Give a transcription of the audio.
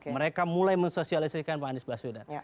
mereka mulai mensosialisikan pak anies baswedan